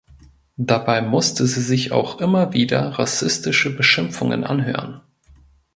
Dabei musste sie sich auch immer wieder rassistische Beschimpfungen anhören.